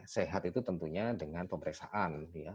sehat itu tentunya dengan pemeriksaan